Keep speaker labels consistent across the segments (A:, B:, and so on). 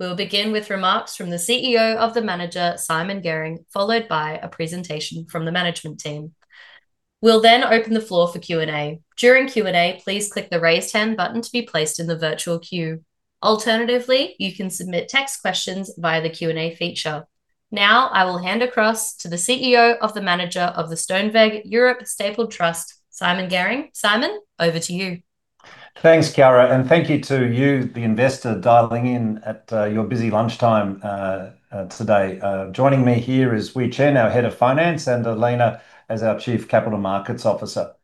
A: We'll begin with remarks from the CEO of the manager, Simon Garing, followed by a presentation from the management team. We'll then open the floor for Q&A. During Q&A, please click the Raise Hand button to be placed in the virtual queue. Alternatively, you can submit text questions via the Q&A feature. Now I will hand across to the CEO of the manager of the Stoneweg Europe Stapled Trust, Simon Garing. Simon, over to you.
B: Thanks, Chiara. Thank you to you, the investor, dialing in at your busy lunchtime today. Joining me here is Tay Hui Chen, our Head of Finance, and Elena as our Chief Capital Markets Officer.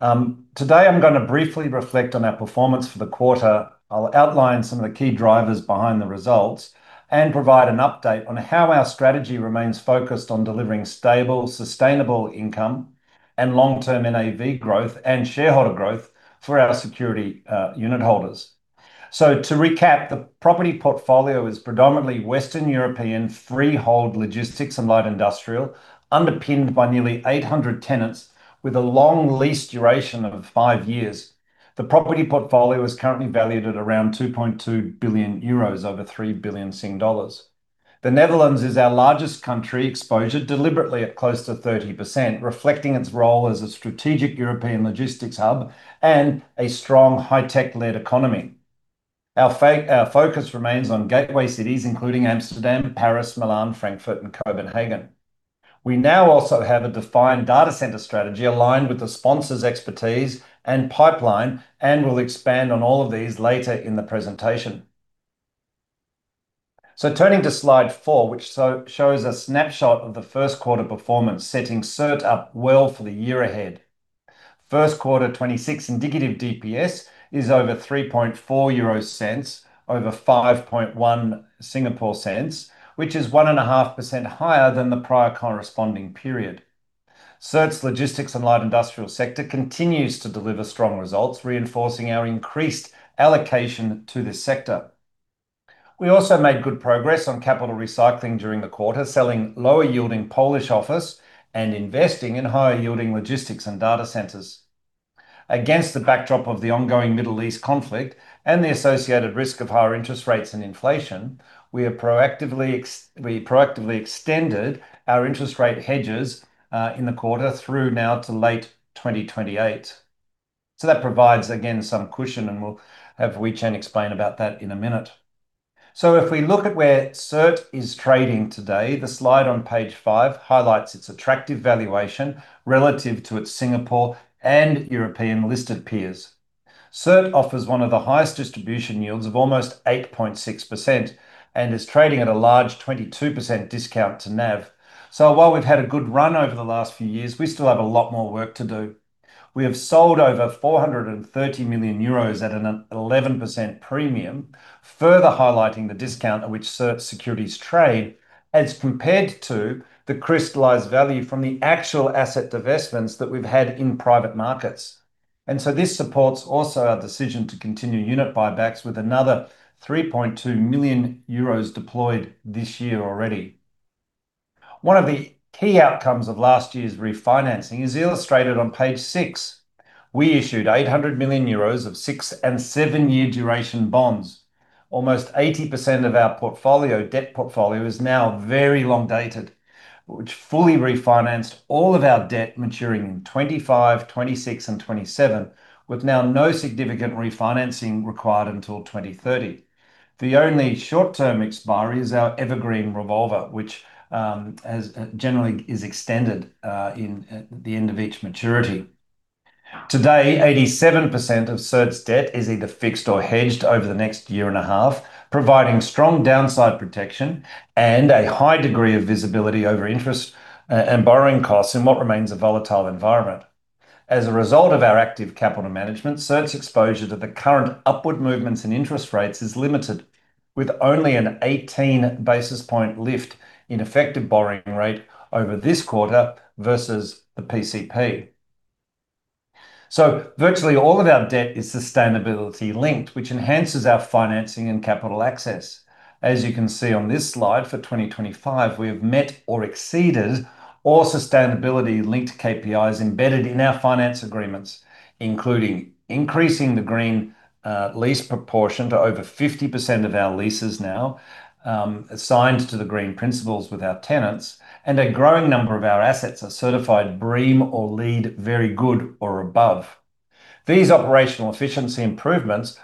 B: Today I'm gonna briefly reflect on our performance for the quarter. I'll outline some of the key drivers behind the results and provide an update on how our strategy remains focused on delivering stable, sustainable income and long-term NAV growth and shareholder growth for our security unit holders. To recap, the property portfolio is predominantly Western European freehold Logistics and Light Industrial, underpinned by nearly 800 tenants with a long lease duration of five years. The property portfolio is currently valued at around 2.2 billion euros, over 3 billion Sing dollars. The Netherlands is our largest country exposure, deliberately at close to 30%, reflecting its role as a strategic European logistics hub and a strong high-tech led economy. Our focus remains on gateway cities including Amsterdam, Paris, Milan, Frankfurt and Copenhagen. We now also have a defined Data Center Strategy aligned with the sponsor's expertise and pipeline, and we'll expand on all of these later in the presentation. Turning to slide four, which shows a snapshot of the first quarter performance setting SERT up well for the year ahead. First quarter 2026 indicative DPS is over 0.034, over 0.051, which is 1.5% higher than the prior corresponding period. SERT's Logistics and Light Industrial sector continues to deliver strong results, reinforcing our increased allocation to this sector. We also made good progress on capital recycling during the quarter, selling lower yielding Polish office and investing in higher yielding logistics and data centers. Against the backdrop of the ongoing Middle East conflict and the associated risk of higher interest rates and inflation, we proactively extended our interest rate hedges in the quarter through now to late 2028. That provides again some cushion and we'll have Hui Chen explain about that in a minute. If we look at where SERT is trading today, the slide on page five highlights its attractive valuation relative to its Singapore and European listed peers. SERT offers one of the highest distribution yields of almost 8.6% and is trading at a large 22% discount to NAV. While we've had a good run over the last few years, we still have a lot more work to do. We have sold over 430 million euros at an 11% premium, further highlighting the discount at which SERT securities trade as compared to the crystallized value from the actual asset divestments that we've had in private markets. This supports also our decision to continue unit buybacks with another 3.2 million euros deployed this year already. One of the key outcomes of last year's refinancing is illustrated on page six. We issued 800 million euros of 6- and 7-year duration bonds. Almost 80% of our portfolio, debt portfolio, is now very long dated, which fully refinanced all of our debt maturing in 2025, 2026 and 2027, with now no significant refinancing required until 2030. The only short term expiry is our evergreen revolver, which as generally is extended in the end of each maturity. Today, 87% of SERT's debt is either fixed or hedged over the next year and a half, providing strong downside protection and a high degree of visibility over interest and borrowing costs in what remains a volatile environment. As a result of our active capital management, SERT's exposure to the current upward movements in interest rates is limited, with only an 18 basis point lift in effective borrowing rate over this quarter versus the PCP. Virtually all of our debt is sustainability linked, which enhances our financing and capital access. As you can see on this slide, for 2025, we have met or exceeded all sustainability linked KPIs embedded in our finance agreements, including increasing the green lease proportion to over 50% of our leases now, assigned to the green principles with our tenants, and a growing number of our assets are certified BREEAM or LEED Very Good or above. These operational efficiency improvements,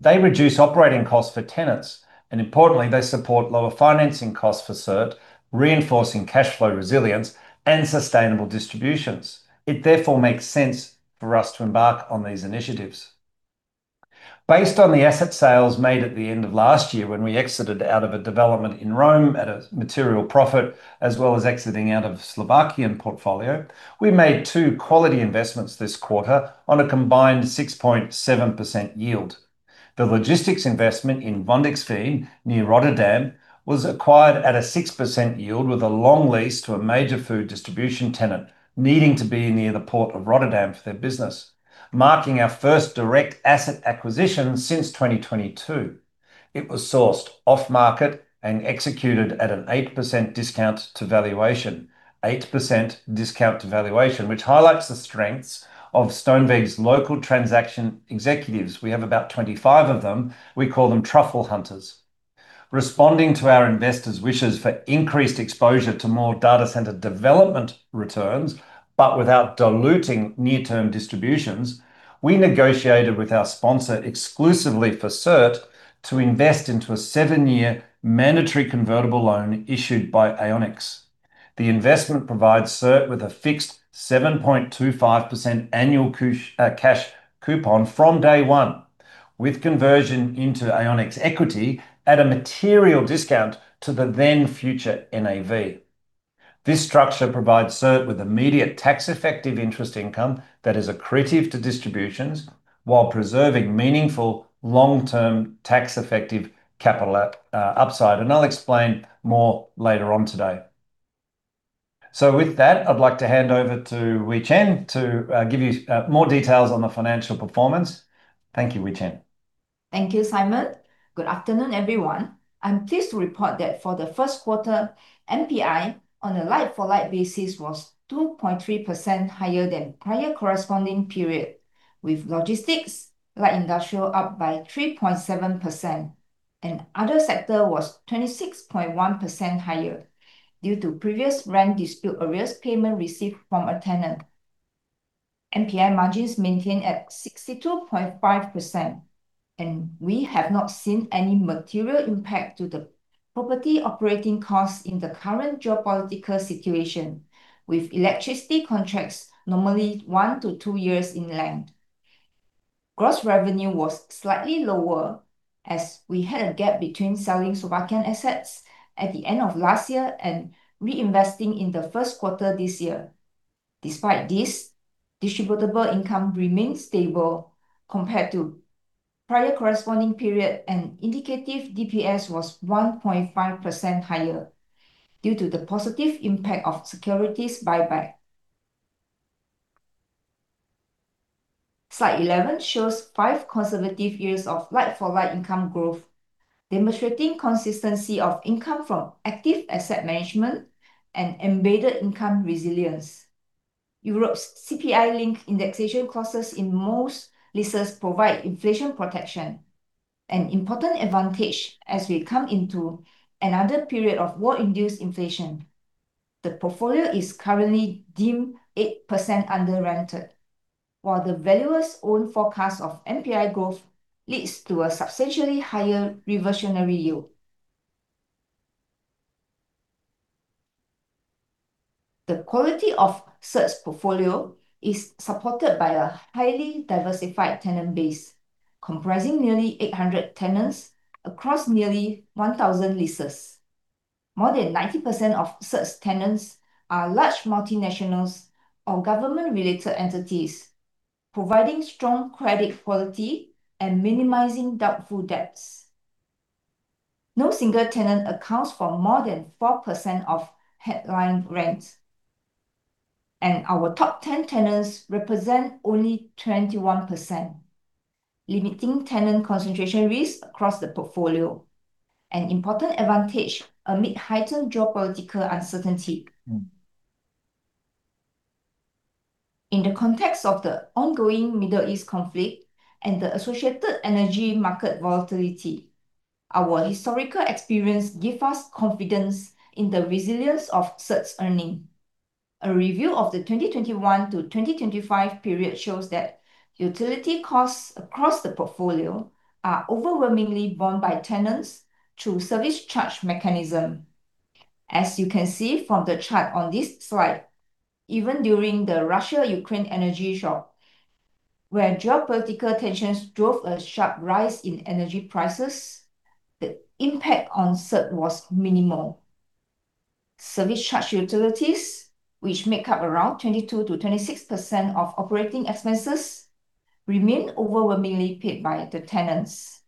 B: they reduce operating costs for tenants, and importantly, they support lower financing costs for SERT, reinforcing cash flow resilience and sustainable distributions. It therefore makes sense for us to embark on these initiatives. Based on the asset sales made at the end of last year when we exited out of a development in Rome at a material profit, as well as exiting out of Slovakian portfolio, we made two quality investments this quarter on a combined 6.7% yield. The logistics investment in Waddinxveen, near Rotterdam, was acquired at a 6% yield with a long lease to a major food distribution tenant needing to be near the port of Rotterdam for their business, marking our first direct asset acquisition since 2022. It was sourced off-market and executed at an 8% discount to valuation. Eight percent discount to valuation, which highlights the strengths of Stoneweg's local transaction executives. We have about 25 of them. We call them truffle hunters. Responding to our investors' wishes for increased exposure to more data center development returns, but without diluting near-term distributions, we negotiated with our sponsor exclusively for SERT to invest into a 7-year mandatory convertible loan issued by AiOnX. The investment provides SERT with a fixed 7.25% annual cash coupon from day one, with conversion into AiOnX equity at a material discount to the then future NAV. This structure provides SERT with immediate tax-effective interest income that is accretive to distributions while preserving meaningful long-term tax-effective capital upside. I'll explain more later on today. With that, I'd like to hand over to Hui Chen to give you more details on the financial performance. Thank you, Hui Chen.
C: Thank you, Simon. Good afternoon, everyone. I'm pleased to report that for the first quarter, NPI on a like-for-like basis was 2.3% higher than prior corresponding period, with logistics, light industrial up by 3.7%, and other sector was 26.1% higher due to previous rent dispute arrears payment received from a tenant. NPI margins maintained at 62.5%, and we have not seen any material impact to the property operating costs in the current geopolitical situation, with electricity contracts normally 1-2 years in length. Gross revenue was slightly lower, as we had a gap between selling Slovakian assets at the end of last year and reinvesting in the first quarter this year. Despite this, distributable income remained stable compared to prior corresponding period, and indicative DPS was 1.5% higher due to the positive impact of securities buyback. Slide 11 shows five consecutive years of like-for-like income growth, demonstrating consistency of income from active asset management and embedded income resilience. Europe's CPI-linked indexation clauses in most leases provide inflation protection, an important advantage as we come into another period of war-induced inflation. The portfolio is currently deemed 8% under-rented, while the valuer's own forecast of NPI growth leads to a substantially higher reversionary yield. The quality of SERT's portfolio is supported by a highly diversified tenant base, comprising nearly 800 tenants across nearly 1,000 leases. More than 90% of SERT's tenants are large multinationals or government-related entities, providing strong credit quality and minimizing doubtful debts. No single tenant accounts for more than 4% of headline rent, and our top ten tenants represent only 21%, limiting tenant concentration risk across the portfolio, an important advantage amid heightened geopolitical uncertainty. In the context of the ongoing Middle East conflict and the associated energy market volatility, our historical experience give us confidence in the resilience of SERT's earning. A review of the 2021-2025 period shows that utility costs across the portfolio are overwhelmingly borne by tenants through service charge mechanism. As you can see from the chart on this slide, even during the Russia-Ukraine energy shock, where geopolitical tensions drove a sharp rise in energy prices, the impact on SERT was minimal. Service charge utilities, which make up around 22%-26% of operating expenses, remain overwhelmingly paid by the tenants,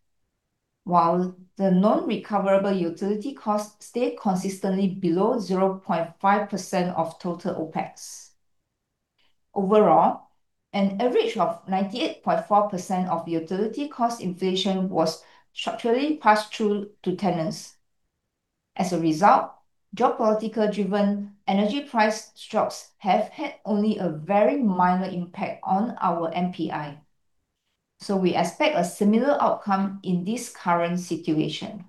C: while the non-recoverable utility costs stay consistently below 0.5% of total OpEx. Overall, an average of 98.4% of utility cost inflation was structurally passed through to tenants. As a result, geopolitical-driven energy price shocks have had only a very minor impact on our NPI. We expect a similar outcome in this current situation.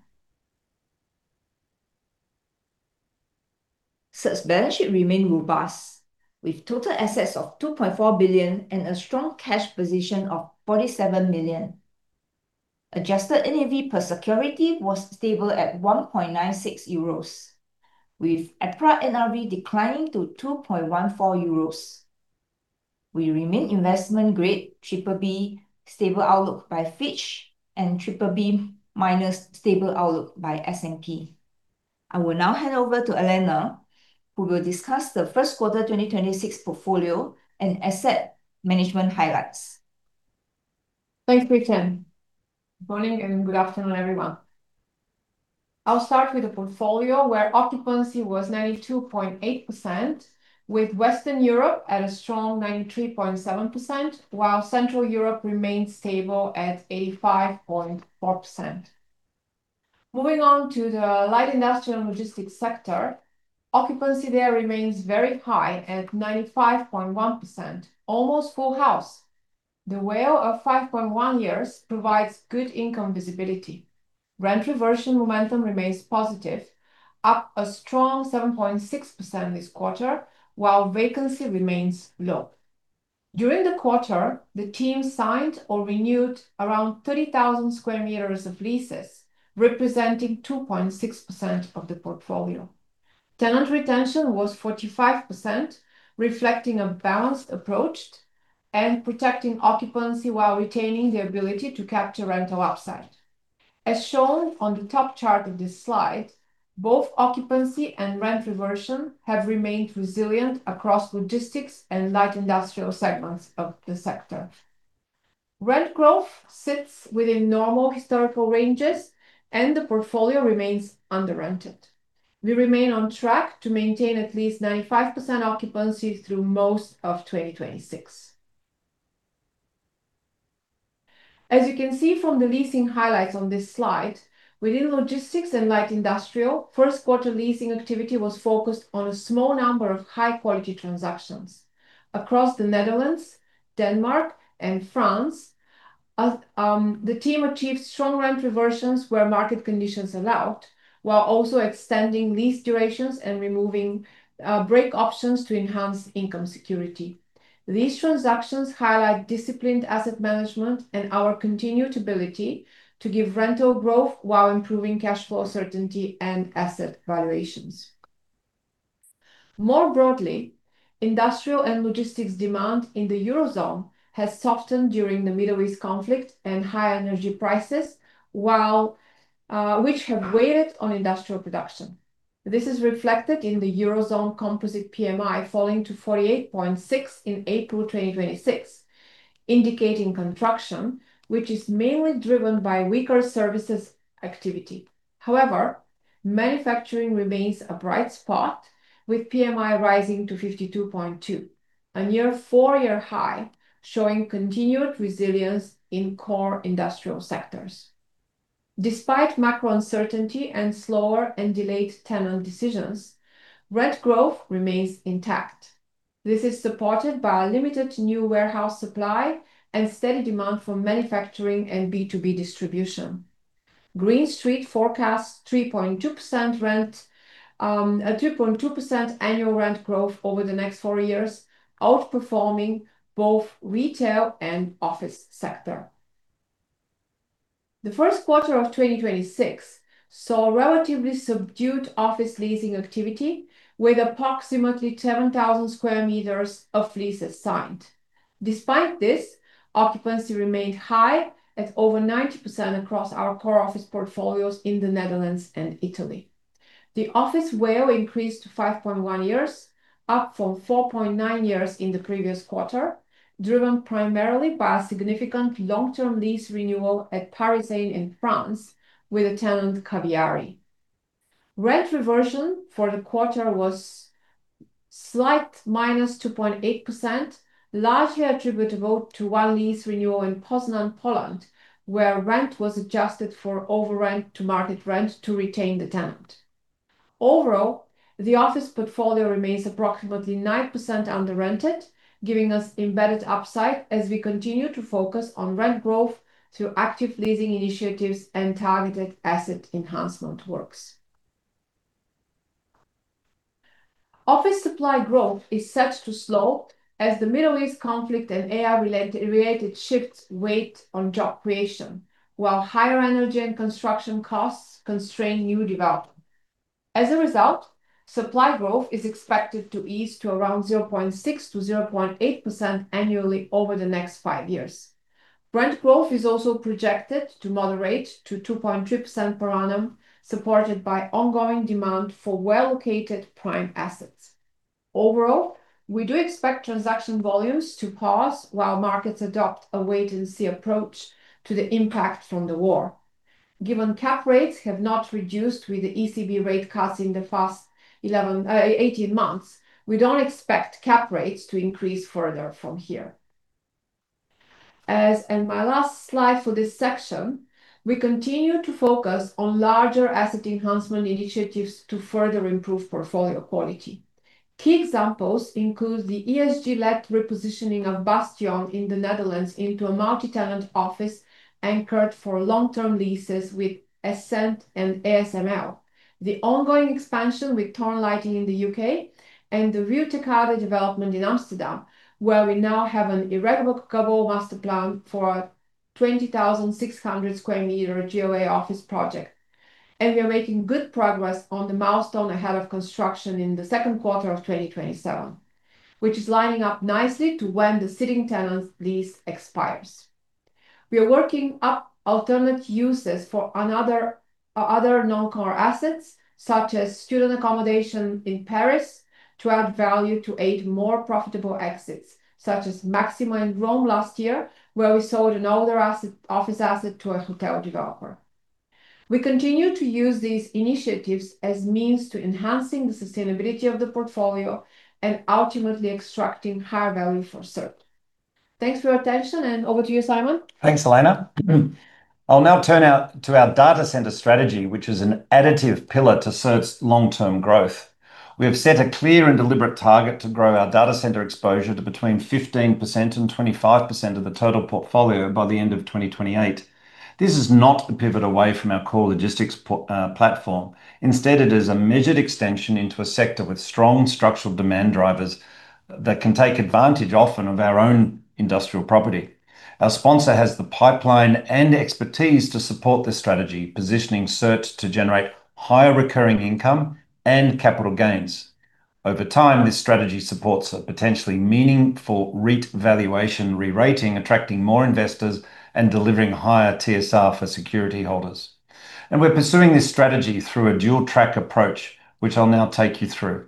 C: SERT's balance sheet remain robust, with total assets of 2.4 billion and a strong cash position of 47 million. Adjusted NAV per security was stable at 1.96 euros, with EPRA NRV declining to 2.14 euros. We remain investment-grade BBB stable outlook by Fitch and BBB minus stable outlook by S&P. I will now hand over to Elena, who will discuss the first quarter 2026 portfolio and asset management highlights.
D: Thanks, Hui Chen. Good morning and good afternoon, everyone. I'll start with the portfolio, where occupancy was 92.8%, with Western Europe at a strong 93.7%, while Central Europe remained stable at 85.4%. Moving on to the light industrial and logistics sector, occupancy there remains very high at 95.1%, almost full house. The WALE of 5.1 years provides good income visibility. Rent reversion momentum remains positive, up a strong 7.6% this quarter, while vacancy remains low. During the quarter, the team signed or renewed around 30,000 sq m of leases, representing 2.6% of the portfolio. Tenant retention was 45%, reflecting a balanced approach and protecting occupancy while retaining the ability to capture rental upside. As shown on the top chart of this slide, both occupancy and rent reversion have remained resilient across Logistics and Light Industrial segments of the sector. Rent growth sits within normal historical ranges, and the portfolio remains under rented. We remain on track to maintain at least 95% occupancy through most of 2026. As you can see from the leasing highlights on this slide, within Logistics and Light Industrial, first quarter leasing activity was focused on a small number of high-quality transactions. Across the Netherlands, Denmark and France, the team achieved strong rent reversions where market conditions allowed, while also extending lease durations and removing break options to enhance income security. These transactions highlight disciplined asset management and our continued ability to give rental growth while improving cash flow certainty and asset valuations. More broadly, industrial and logistics demand in the Eurozone has softened during the Middle East conflict and high energy prices, while, which have weighed on industrial production. This is reflected in the Eurozone composite PMI falling to 48.6 in April 2026, indicating contraction, which is mainly driven by weaker services activity. However, manufacturing remains a bright spot, with PMI rising to 52.2, a near 4-year high, showing continued resilience in core industrial sectors. Despite macro uncertainty and slower and delayed tenant decisions, rent growth remains intact. This is supported by limited new warehouse supply and steady demand for manufacturing and B2B distribution. Green Street forecasts 3.2% rent, a 2.2% annual rent growth over the next four years, outperforming both retail and office sector. The first quarter of 2026 saw relatively subdued office leasing activity with approximately 7,000 sq m of leases signed. Despite this, occupancy remained high at over 90% across our core office portfolios in the Netherlands and Italy. The office WALE increased to 5.1 years, up from 4.9 years in the previous quarter, driven primarily by a significant long-term lease renewal at Paryseine in France with the tenant Kaviari. Rent reversion for the quarter was slight -2.8%, largely attributable to one lease renewal in Poznań, Poland, where rent was adjusted for over rent to market rent to retain the tenant. Overall, the office portfolio remains approximately 9% under rented, giving us embedded upside as we continue to focus on rent growth through active leasing initiatives and targeted asset enhancement works. Office supply growth is set to slow as the Middle East conflict and AI-related shifts weigh on job creation, while higher energy and construction costs constrain new development. As a result, supply growth is expected to ease to around 0.6%-0.8% annually over the next five years. Rent growth is also projected to moderate to 2.3% per annum, supported by ongoing demand for well-located prime assets. Overall, we do expect transaction volumes to pause while markets adopt a wait and see approach to the impact from the war. Given cap rates have not reduced with the ECB rate cuts in the past 18 months, we don't expect cap rates to increase further from here. As in my last slide for this section, we continue to focus on larger asset enhancement initiatives to further improve portfolio quality. Key examples include the ESG-led repositioning of Bastion in the Netherlands into a multi-tenant office anchored for long-term leases with Essent and ASML, the ongoing expansion with Thorn Lighting in the U.K., and De Ruijterkade development in Amsterdam, where we now have an irrevocable master plan for a 20,600 sq m GOA office project. We are making good progress on the milestone ahead of construction in the second quarter of 2027, which is lining up nicely to when the sitting tenant's lease expires. We are working up alternate uses for other non-core assets, such as student accommodation in Paris, to add value to aid more profitable exits, such as Maxima in Rome last year, where we sold an older office asset to a hotel developer. We continue to use these initiatives as means to enhancing the sustainability of the portfolio and ultimately extracting higher value for SERT. Thanks for your attention, and over to you, Simon.
B: Thanks, Elena. I'll now turn to our data center strategy, which is an additive pillar to SERT's long-term growth. We have set a clear and deliberate target to grow our data center exposure to between 15% and 25% of the total portfolio by the end of 2028. This is not a pivot away from our core logistics platform. Instead, it is a measured extension into a sector with strong structural demand drivers that can take advantage of our own industrial property. Our sponsor has the pipeline and expertise to support this strategy, positioning SERT to generate higher recurring income and capital gains. Over time, this strategy supports a potentially meaningful REIT valuation re-rating, attracting more investors and delivering higher TSR for security holders. We're pursuing this strategy through a dual-track approach, which I'll now take you through.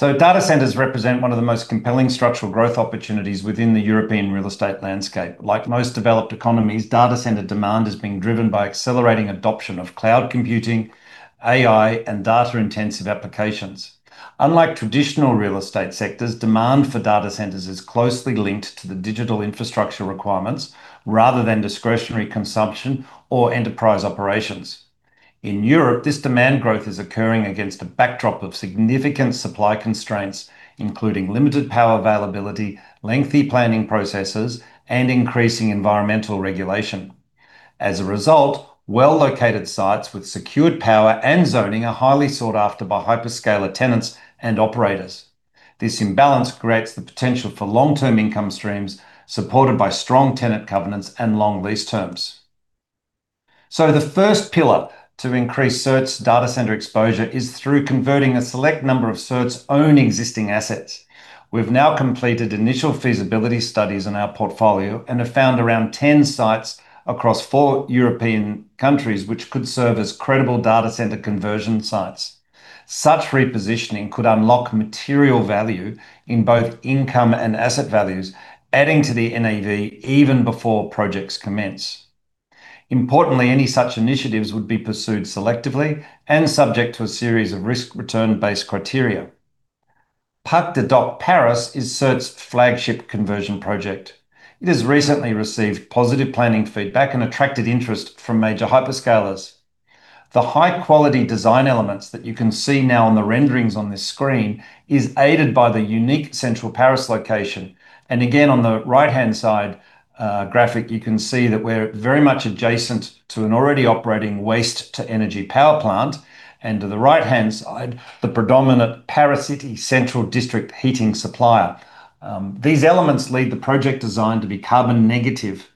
B: Data centers represent one of the most compelling structural growth opportunities within the European real estate landscape. Like most developed economies, data center demand is being driven by accelerating adoption of cloud computing, AI, and data-intensive applications. Unlike traditional real estate sectors, demand for data centers is closely linked to the digital infrastructure requirements rather than discretionary consumption or enterprise operations. In Europe, this demand growth is occurring against a backdrop of significant supply constraints, including limited power availability, lengthy planning processes, and increasing environmental regulation. As a result, well-located sites with secured power and zoning are highly sought after by hyperscaler tenants and operators. This imbalance creates the potential for long-term income streams supported by strong tenant governance and long lease terms. The first pillar to increase SERT's data center exposure is through converting a select number of SERT's own existing assets. We've now completed initial feasibility studies on our portfolio and have found around 10 sites across four European countries which could serve as credible data center conversion sites. Such repositioning could unlock material value in both income and asset values, adding to the NAV even before projects commence. Importantly, any such initiatives would be pursued selectively and subject to a series of risk return-based criteria. Parc des Docks Paris is SERT's flagship conversion project. It has recently received positive planning feedback and attracted interest from major hyperscalers. The high-quality design elements that you can see now on the renderings on this screen is aided by the unique central Paris location. Again, on the right-hand side, graphic, you can see that we're very much adjacent to an already operating waste-to-energy power plant, and to the right-hand side, the predominant Paris city central district heating supplier. These elements lead the project design to be carbon negative,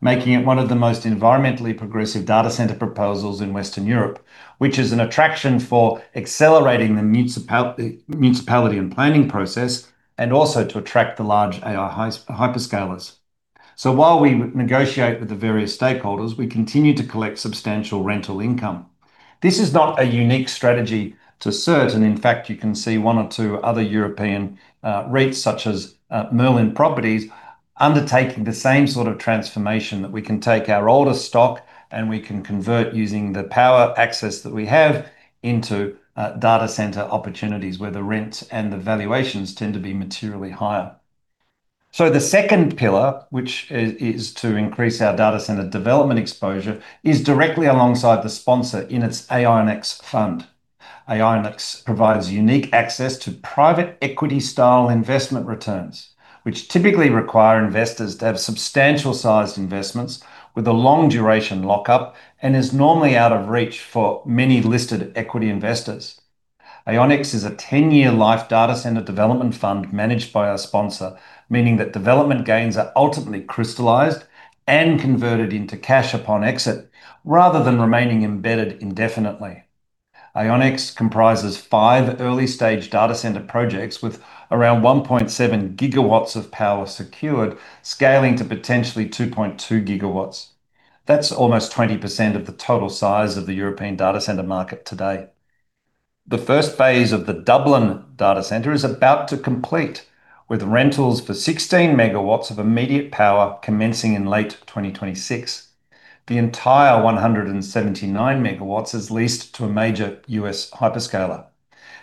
B: making it one of the most environmentally progressive data center proposals in Western Europe, which is an attraction for accelerating the municipal planning process, and also to attract the large AI hyperscalers. While we negotiate with the various stakeholders, we continue to collect substantial rental income. This is not a unique strategy to SERT, and in fact, you can see one or two other European REITs such as Merlin Properties undertaking the same sort of transformation that we can take our older stock, and we can convert using the power access that we have into data center opportunities where the rent and the valuations tend to be materially higher. The second pillar, which is to increase our data center development exposure, is directly alongside the sponsor in its AiOnX fund. AiOnX provides unique access to private equity style investment returns, which typically require investors to have substantial sized investments with a long duration lockup and is normally out of reach for many listed equity investors. AiOnX is a 10-year life data center development fund managed by our sponsor, meaning that development gains are ultimately crystallized and converted into cash upon exit rather than remaining embedded indefinitely. AiOnX comprises five early-stage data center projects with around 1.7 gigawatts of power secured, scaling to potentially 2.2 gigawatts. That's almost 20% of the total size of the European data center market today. The first phase of the Dublin Data Center is about to complete, with rentals for 16 megawatts of immediate power commencing in late 2026. The entire 179 megawatts is leased to a major U.S. hyperscaler.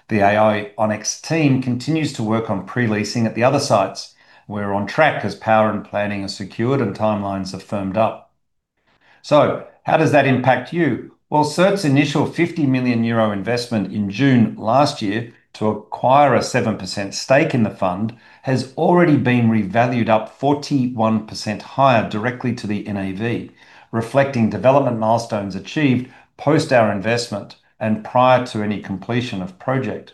B: The AiOnX team continues to work on pre-leasing at the other sites. We're on track as power and planning are secured and timelines have firmed up. How does that impact you? Well, SERT's initial 50 million euro investment in June last year to acquire a 7% stake in the fund has already been revalued up 41% higher directly to the NAV, reflecting development milestones achieved post our investment and prior to any completion of project.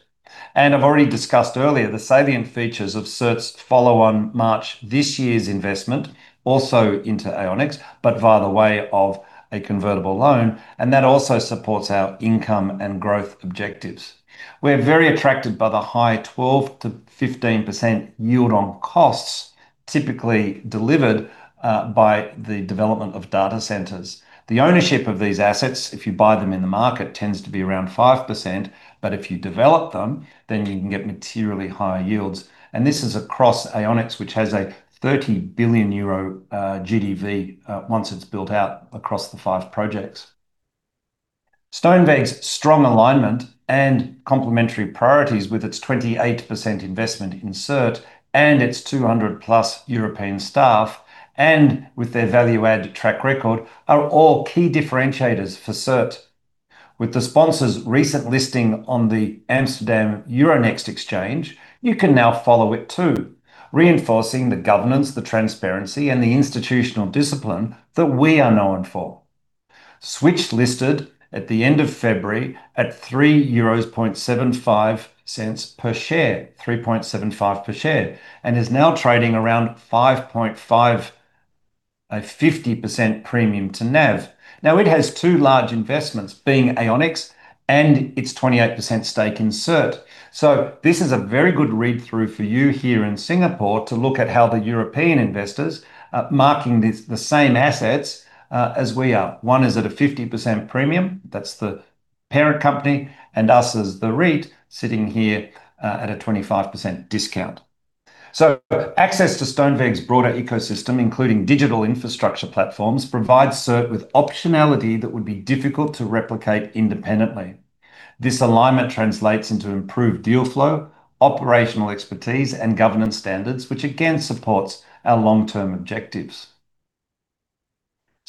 B: I've already discussed earlier the salient features of SERT's follow-on March this year's investment, also into AiOnX, but via the way of a convertible loan, and that also supports our income and growth objectives. We're very attracted by the high 12%-15% yield on costs typically delivered by the development of data centers. The ownership of these assets, if you buy them in the market, tends to be around 5%, but if you develop them, then you can get materially higher yields. This is across AiOnX, which has a 30 billion euro GDV once it's built out across the five projects. Stoneweg's strong alignment and complementary priorities with its 28% investment in SERT and its 200+ European staff and with their value add track record are all key differentiators for SERT. With the sponsor's recent listing on the Euronext Amsterdam exchange, you can now follow it too, reinforcing the governance, the transparency, and the institutional discipline that we are known for. SWICH listed at the end of February at 3.75 per share and is now trading around 5.5, a 50% premium to NAV. Now it has two large investments, being AiOnX and its 28% stake in SERT. This is a very good read-through for you here in Singapore to look at how the European investors are marking the same assets as we are. One is at a 50% premium, that's the parent company, and us as the REIT sitting here at a 25% discount. Access to Stoneweg's broader ecosystem, including digital infrastructure platforms, provides SERT with optionality that would be difficult to replicate independently. This alignment translates into improved deal flow, operational expertise, and governance standards, which again supports our long-term objectives.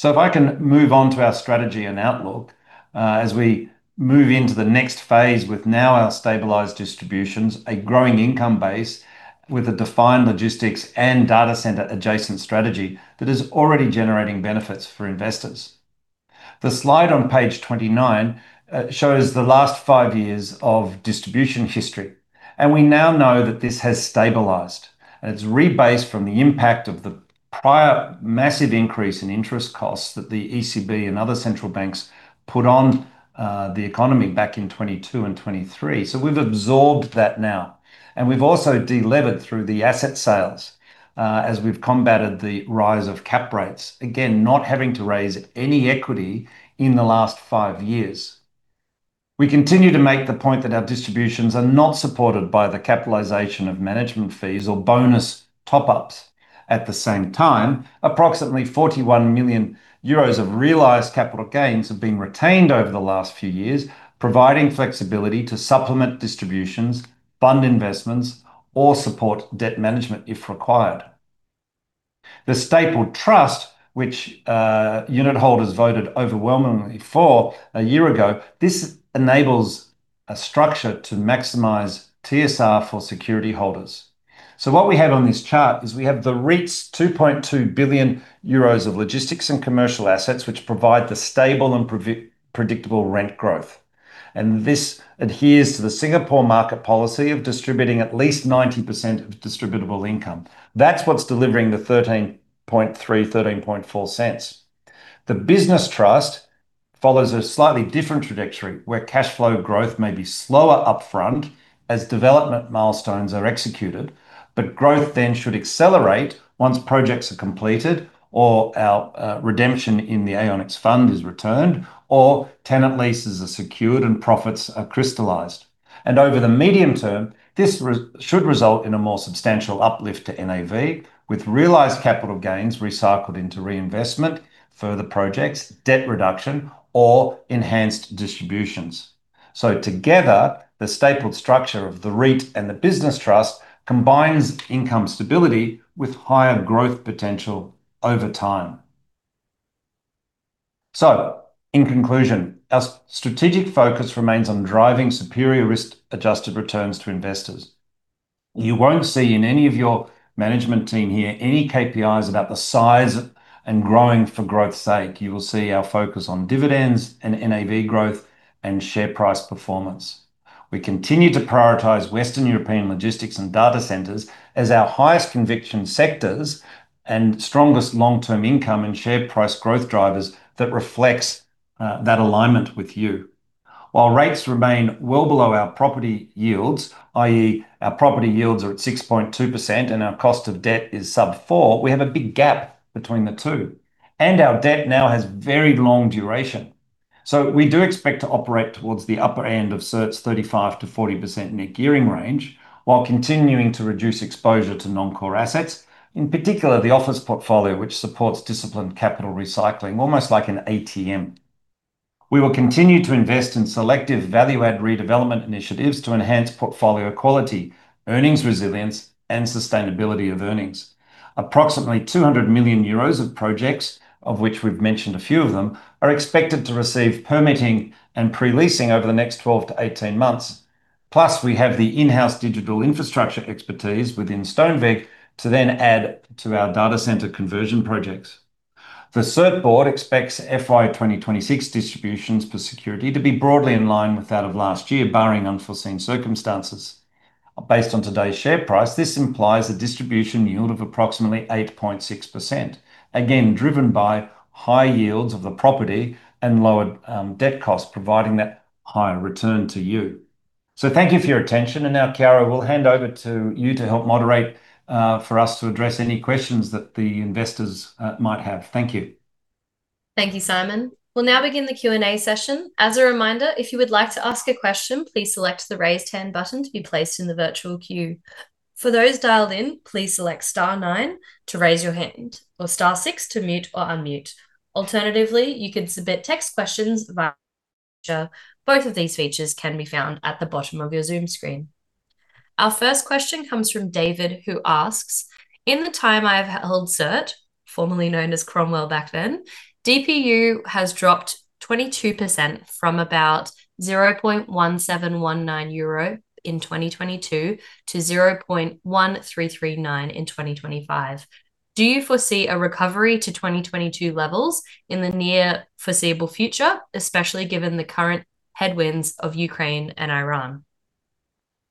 B: If I can move on to our strategy and outlook, as we move into the next phase with now our stabilized distributions, a growing income base with a defined logistics and data center adjacent strategy that is already generating benefits for investors. The slide on page 29 shows the last five years of distribution history, and we now know that this has stabilized, and it's rebased from the impact of the prior massive increase in interest costs that the ECB and other central banks put on the economy back in 2022 and 2023. We've absorbed that now, and we've also delevered through the asset sales, as we've combated the rise of cap rates, again, not having to raise any equity in the last five years. We continue to make the point that our distributions are not supported by the capitalization of management fees or bonus top-ups. At the same time, approximately 41 million euros of realized capital gains have been retained over the last few years, providing flexibility to supplement distributions, fund investments, or support debt management if required. The stapled trust, which unitholders voted overwhelmingly for a year ago, enables a structure to maximize TSR for security holders. What we have on this chart is we have the REIT's 2.2 billion euros of logistics and commercial assets, which provide the stable and predictable rent growth. This adheres to the Singapore market policy of distributing at least 90% of distributable income. That's what's delivering the 0.133, 0.134. The business trust follows a slightly different trajectory, where cash flow growth may be slower upfront as development milestones are executed, but growth then should accelerate once projects are completed or our redemption in the AiOnX fund is returned, or tenant leases are secured and profits are crystallized. Over the medium term, this should result in a more substantial uplift to NAV, with realized capital gains recycled into reinvestment, further projects, debt reduction, or enhanced distributions. Together, the stapled structure of the REIT and the business trust combines income stability with higher growth potential over time. In conclusion, our strategic focus remains on driving superior risk-adjusted returns to investors. You won't see in any of your management team here any KPIs about the size and growing for growth sake. You will see our focus on dividends and NAV growth and share price performance. We continue to prioritize Western European logistics and data centers as our highest conviction sectors and strongest long-term income and share price growth drivers that reflects that alignment with you. While rates remain well below our property yields, i.e. our property yields are at 6.2% and our cost of debt is sub 4%, we have a big gap between the two, and our debt now has very long duration. We do expect to operate towards the upper end of SERT's 35%-40% net gearing range while continuing to reduce exposure to non-core assets, in particular the office portfolio, which supports disciplined capital recycling, almost like an ATM. We will continue to invest in selective value add redevelopment initiatives to enhance portfolio quality, earnings resilience, and sustainability of earnings. Approximately 200 million euros of projects, of which we've mentioned a few of them, are expected to receive permitting and pre-leasing over the next 12-18 months. Plus, we have the in-house digital infrastructure expertise within Stoneweg to then add to our data center conversion projects. The SERT Board expects FY 2026 distributions per security to be broadly in line with that of last year, barring unforeseen circumstances. Based on today's share price, this implies a distribution yield of approximately 8.6%, again, driven by high yields of the property and lower debt costs, providing that higher return to you. Thank you for your attention, and now, Chiara, we'll hand over to you to help moderate for us to address any questions that the investors might have. Thank you.
A: Thank you, Simon. We'll now begin the Q&A session. As a reminder, if you would like to ask a question, please select the Raise Hand button to be placed in the virtual queue. Our first question comes from David, who asks: "In the time I've held SERT, formerly known as Cromwell back then, DPU has dropped 22% from about 0.1719 euro in 2022 to 0.1339 in 2025. Do you foresee a recovery to 2022 levels in the near foreseeable future, especially given the current headwinds of Ukraine and Iran?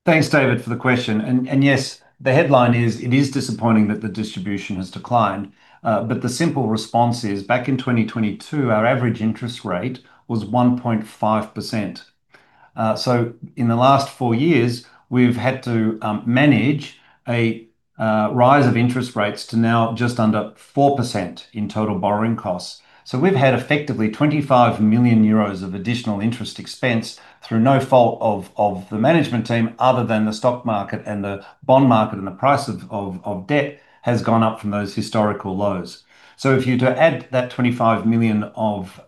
B: Thanks, David, for the question. Yes, the headline is, it is disappointing that the distribution has declined. The simple response is, back in 2022, our average interest rate was 1.5%. In the last 4 years, we've had to manage a rise of interest rates to now just under 4% in total borrowing costs. We've had effectively 25 million euros of additional interest expense through no fault of the management team other than the stock market and the bond market, and the price of debt has gone up from those historical lows. If you're to add that 25 million of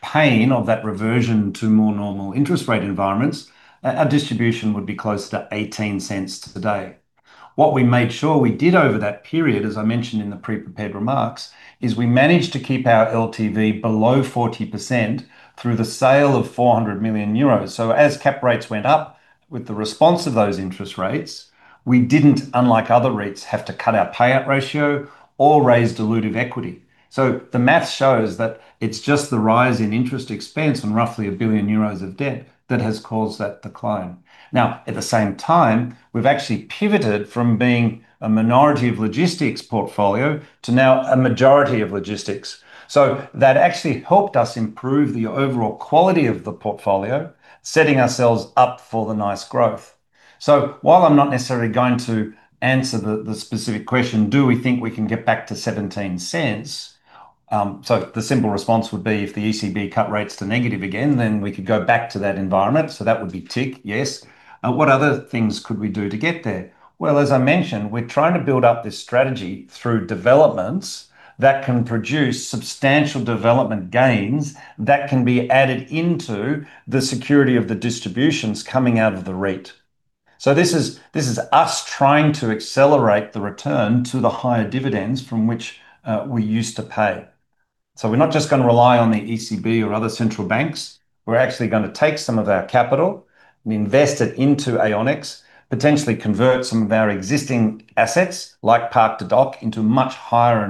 B: pain, of that reversion to more normal interest rate environments, our distribution would be closer to 0.18 today. What we made sure we did over that period, as I mentioned in the pre-prepared remarks, is we managed to keep our LTV below 40% through the sale of 400 million euros. As cap rates went up in response to those interest rates, we didn't, unlike other REITs, have to cut our payout ratio or raise dilutive equity. The math shows that it's just the rise in interest expense on roughly 1 billion euros of debt that has caused that decline. Now, at the same time, we've actually pivoted from being a minority of logistics portfolio to now a majority of logistics. That actually helped us improve the overall quality of the portfolio, setting ourselves up for the nice growth. While I'm not necessarily going to answer the specific question, do we think we can get back to 0.17? The simple response would be if the ECB cut rates to negative again, then we could go back to that environment, so that would be tick, yes. What other things could we do to get there? Well, as I mentioned, we're trying to build up this strategy through developments that can produce substantial development gains that can be added into the security of the distributions coming out of the REIT. This is us trying to accelerate the return to the higher dividends from which we used to pay. We're not just gonna rely on the ECB or other central banks. We're actually gonna take some of our capital and invest it into AiOnX, potentially convert some of our existing assets, like Parc des Docks, into much higher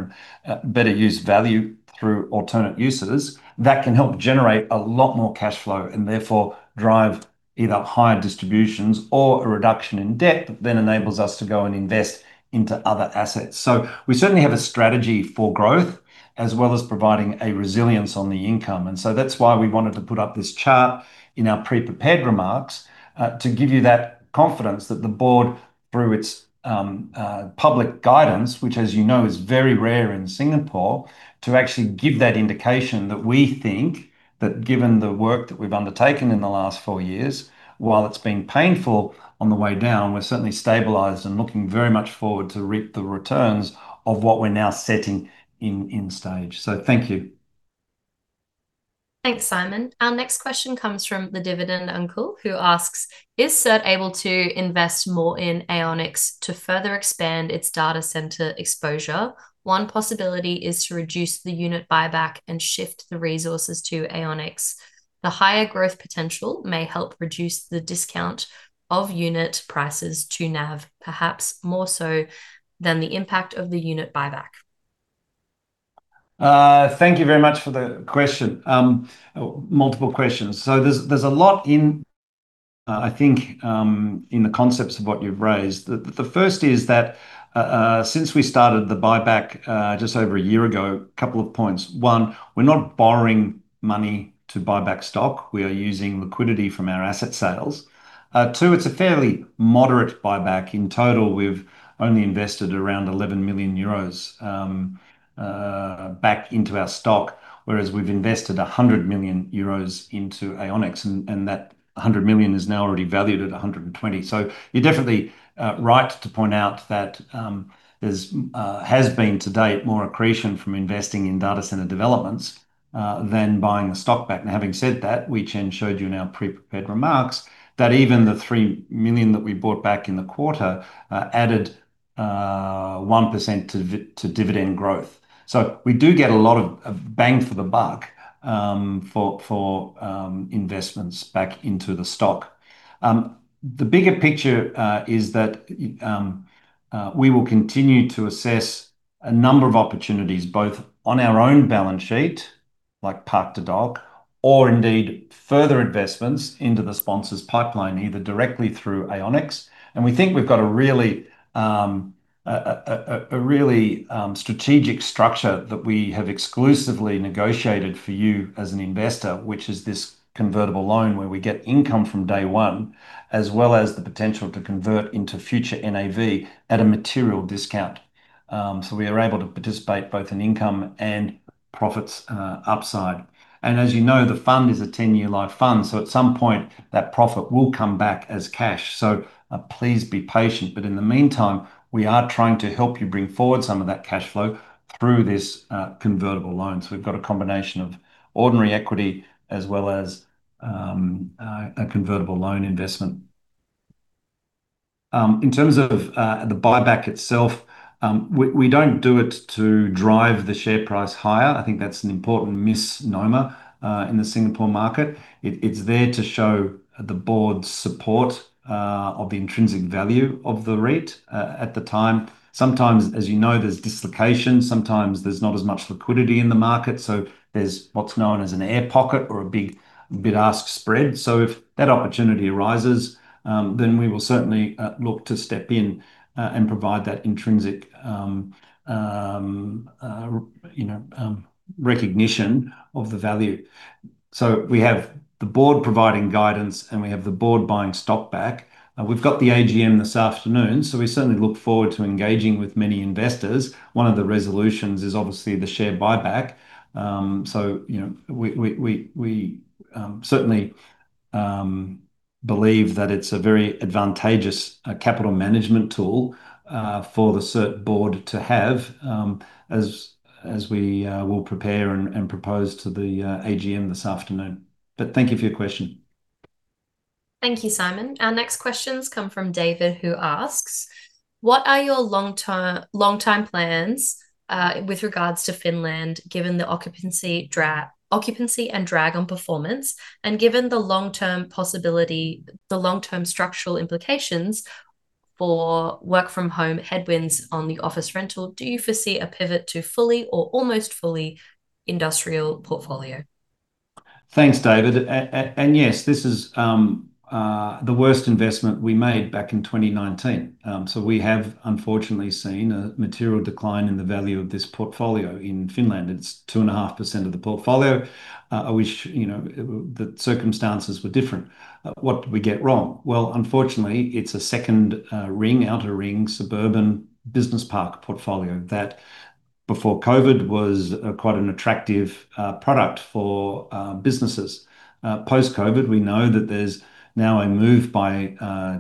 B: and better use value through alternate uses that can help generate a lot more cashflow, and therefore drive either higher distributions or a reduction in debt that then enables us to go and invest into other assets. We certainly have a strategy for growth, as well as providing a resilience on the income. That's why we wanted to put up this chart in our pre-prepared remarks, to give you that confidence that the board, through its public guidance, which as you know, is very rare in Singapore, to actually give that indication that we think that given the work that we've undertaken in the last four years, while it's been painful on the way down, we're certainly stabilized and looking very much forward to reap the returns of what we're now setting in stage. Thank you.
A: Thanks, Simon. Our next question comes from The Dividend Uncle, who asks, "Is SERT able to invest more in AiOnX to further expand its data center exposure? One possibility is to reduce the unit buyback and shift the resources to AiOnX. The higher growth potential may help reduce the discount of unit prices to NAV, perhaps more so than the impact of the unit buyback.
B: Thank you very much for the question. Multiple questions. There's a lot in, I think, in the concepts of what you've raised. The first is that since we started the buyback just over a year ago, a couple of points. One, we're not borrowing money to buy back stock. We are using liquidity from our asset sales. Two, it's a fairly moderate buyback. In total, we've only invested around 11 million euros back into our stock, whereas we've invested 100 million euros into AiOnX, and that hundred million is now already valued at 120 million. You're definitely right to point out that there has been to date more accretion from investing in data center developments than buying the stock back. Now, having said that, we then showed you in our pre-prepared remarks that even the 3 million that we bought back in the quarter added 1% to dividend growth. We do get a lot of bang for the buck for investments back into the stock. The bigger picture is that we will continue to assess a number of opportunities, both on our own balance sheet, like Parc des Docks, or indeed further investments into the sponsor's pipeline, either directly through AiOnX. We think we've got a really strategic structure that we have exclusively negotiated for you as an investor, which is this convertible loan where we get income from day one, as well as the potential to convert into future NAV at a material discount. We are able to participate both in income and profits, upside. As you know, the fund is a 10-year life fund, so at some point, that profit will come back as cash. Please be patient, but in the meantime, we are trying to help you bring forward some of that cash flow through this convertible loan. We've got a combination of ordinary equity as well as a convertible loan investment. In terms of the buyback itself, we don't do it to drive the share price higher. I think that's an important misnomer in the Singapore market. It's there to show the board's support of the intrinsic value of the REIT at the time. Sometimes, as you know, there's dislocation, sometimes there's not as much liquidity in the market, so there's what's known as an air pocket or a big bid-ask spread. If that opportunity arises, then we will certainly look to step in and provide that intrinsic, you know, recognition of the value. We have the board providing guidance, and we have the board buying stock back. We've got the AGM this afternoon, so we certainly look forward to engaging with many investors. One of the resolutions is obviously the share buyback. You know, we certainly believe that it's a very advantageous capital management tool for the SERT Board to have, as we will prepare and propose to the AGM this afternoon. Thank you for your question.
A: Thank you, Simon. Our next questions come from David, who asks, "What are your long-term plans with regards to Finland, given the occupancy and drag on performance? Given the long-term structural implications for work from home headwinds on the office rental, do you foresee a pivot to fully or almost fully industrial portfolio?
B: Thanks, David. Yes, this is the worst investment we made back in 2019. We have unfortunately seen a material decline in the value of this portfolio in Finland. It's 2.5% of the portfolio. I wish the circumstances were different. What did we get wrong? Unfortunately, it's a second ring outer ring suburban business park portfolio that before COVID was quite an attractive product for businesses. Post-COVID, we know that there's now a move by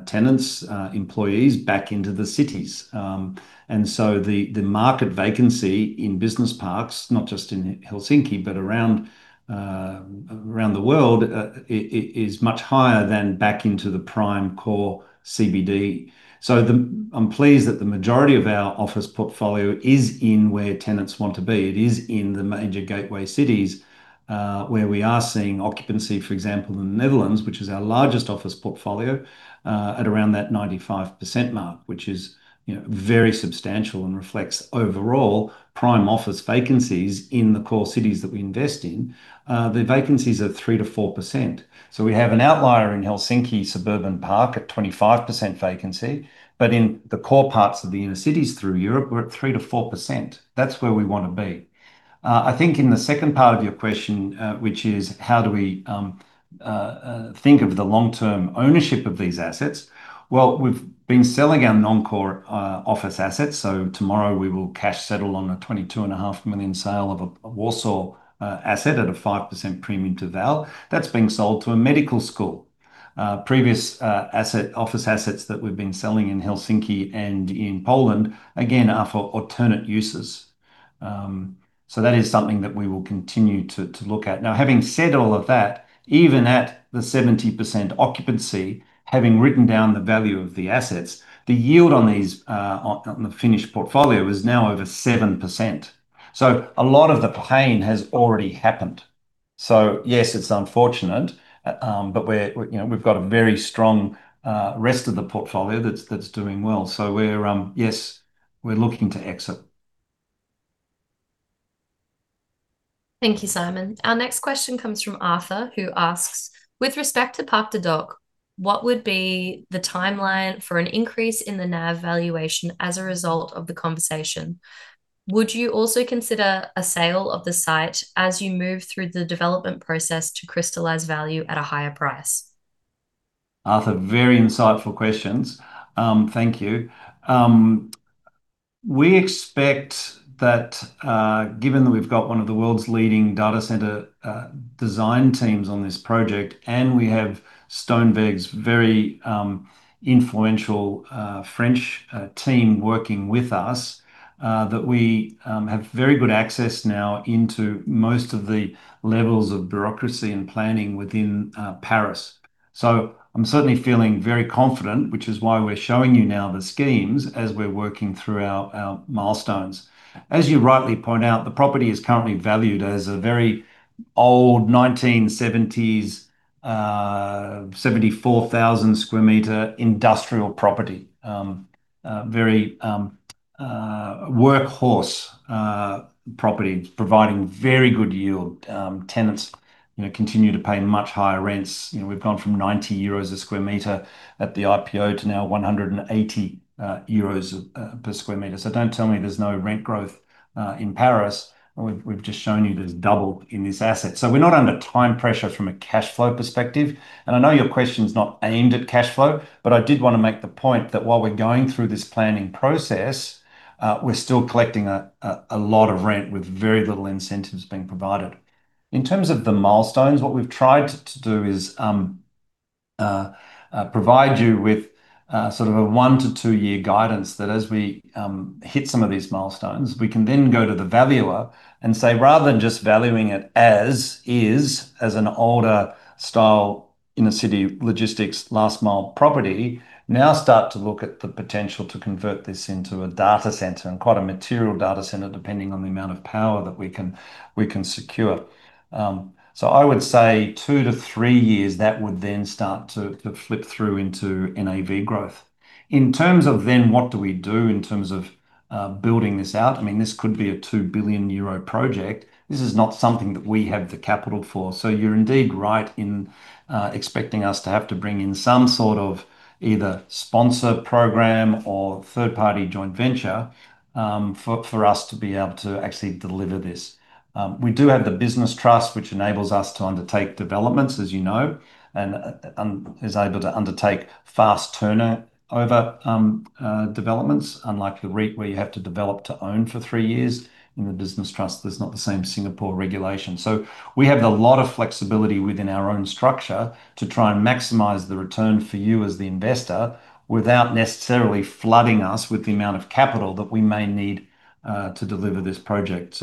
B: tenants, employees back into the cities. The market vacancy in business parks, not just in Helsinki, but around the world, is much higher than back in the prime core CBD. I'm pleased that the majority of our office portfolio is in where tenants want to be. It is in the major gateway cities, where we are seeing occupancy, for example, in the Netherlands, which is our largest office portfolio, at around that 95% mark, which is, you know, very substantial and reflects overall prime office vacancies in the core cities that we invest in. The vacancies are 3%-4%. We have an outlier in Helsinki Suburban Park at 25% vacancy, but in the core parts of the inner cities through Europe, we're at 3%-4%. That's where we wanna be. I think in the second part of your question, which is how do we think of the long-term ownership of these assets, well, we've been selling our non-core office assets, so tomorrow we will cash settle on a 22.5 million sale of a Warsaw asset at a 5% premium to val. That's being sold to a medical school. Previous office assets that we've been selling in Helsinki and in Poland, again, are for alternate uses. That is something that we will continue to look at. Now, having said all of that, even at the 70% occupancy, having written down the value of the assets, the yield on these on the Finnish portfolio is now over 7%. A lot of the pain has already happened. Yes, it's unfortunate, but we're, you know, we've got a very strong rest of the portfolio that's doing well. Yes, we're looking to exit.
A: Thank you, Simon. Our next question comes from Arthur, who asks, "With respect to Parc des Docks, what would be the timeline for an increase in the NAV valuation as a result of the conversation? Would you also consider a sale of the site as you move through the development process to crystallize value at a higher price?
B: Arthur, very insightful questions. Thank you. We expect that, given that we've got one of the world's leading data center design teams on this project, and we have Stoneweg's very influential French team working with us, that we have very good access now into most of the levels of bureaucracy and planning within Paris. I'm certainly feeling very confident, which is why we're showing you now the schemes as we're working through our milestones. As you rightly point out, the property is currently valued as a very old 1970s 74,000 sq m industrial property, very workhorse property providing very good yield. Tenants, you know, continue to pay much higher rents. You know, we've gone from 90 euros per sq m at the IPO to now 180 euros per sq m. Don't tell me there's no rent growth in Paris when we've just shown you there's double in this asset. We're not under time pressure from a cash flow perspective, and I know your question's not aimed at cash flow, but I did wanna make the point that while we're going through this planning process, we're still collecting a lot of rent with very little incentives being provided. In terms of the milestones, what we've tried to do is provide you with sort of a 1-2 year guidance that as we hit some of these milestones, we can then go to the valuer and say, rather than just valuing it as is, as an older style inner-city logistics last mile property, now start to look at the potential to convert this into a data center, and quite a material data center depending on the amount of power that we can secure. I would say 2-3 years, that would then start to flip through into NAV growth. In terms of then what do we do in terms of building this out, I mean, this could be a 2 billion euro project. This is not something that we have the capital for. You're indeed right in expecting us to have to bring in some sort of either sponsor program or third party joint venture for us to be able to actually deliver this. We do have the business trust, which enables us to undertake developments, as you know, and is able to undertake fast-turnover developments, unlike the REIT where you have to develop to own for three years. In the business trust there's not the same Singapore regulation. We have a lot of flexibility within our own structure to try and maximize the return for you as the investor, without necessarily flooding us with the amount of capital that we may need to deliver this project.